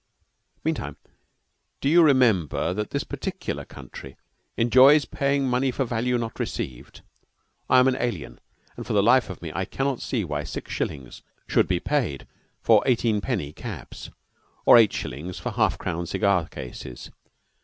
Meantime, do you remember that this peculiar country enjoys paying money for value not received? I am an alien, and for the life of me I cannot see why six shillings should be paid for eighteen penny caps, or eight shillings for half crown cigar cases.